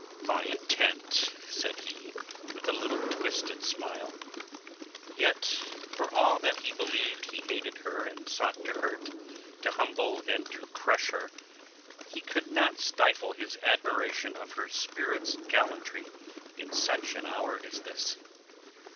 "My intent?" said he, with a little twisted smile. Yet for all that he believed he hated her and sought to hurt, to humble and to crush her, he could not stifle his admiration of her spirit's gallantry in such an hour as this.